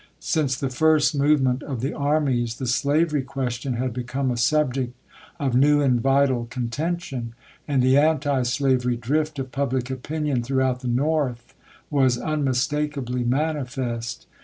Since the first movement of the armies the slavery question bad become a subject of new and vital contention, and the antislavery drift of public opinion throughout the North was unmistakably manifest.